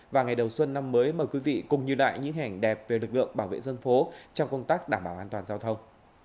và ngày đầu xuân năm mới mời quý vị cùng nhìn lại những hình ảnh đẹp về lực lượng bảo vệ dân phố trong công tác đảm bảo an toàn giao thông